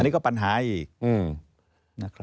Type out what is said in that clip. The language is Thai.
อันนี้ก็ปัญหาอีก